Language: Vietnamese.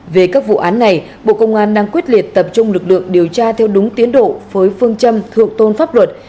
về các vụ án này bộ công an đang quyết liệt tập trung lực lượng điều tra theo đúng tiến độ với phương châm thượng tôn pháp luật